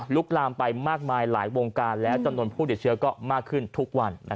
ลุกลามไปมากมายหลายวงการและจำนวนผู้เด็ดเชื้อก็มากขึ้นทุกวันนะครับ